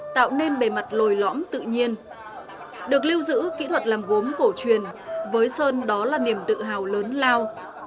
tạo nên bề mặt lồi lõm tự nhiên được lưu giữ kỹ thuật làm gốm cổ truyền với sơn đó là niềm tự hào lớn lao